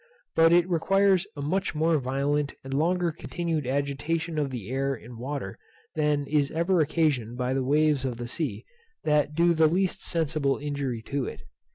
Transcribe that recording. But it requires a much more violent and longer continued agitation of air in water than is ever occasioned by the waves of the sea to do the least sensible injury to it.